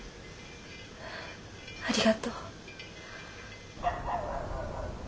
ありがとう。